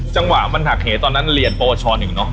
จังหวะมันหักเหตุตอนนั้นเลียนโปรชนอยู่เนอะ